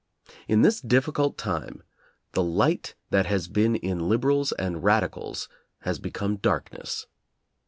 In this difficult time the light that has been in liberals and radicals has become darkness.